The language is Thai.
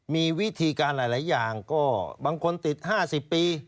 มีวิธีการหลายอย่างก็บางคนติด๕๐ปี